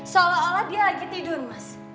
seolah olah dia lagi tidur mas